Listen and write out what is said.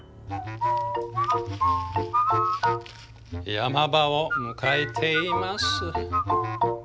山場を迎えています。